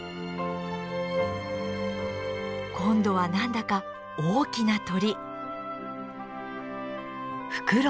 今度は何だか大きな鳥。